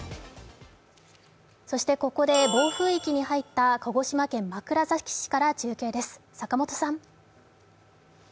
そしてここで暴風域に入った鹿児島県枕崎市から中継です。